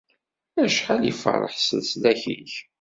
Acḥal iferreḥ s leslak-ik!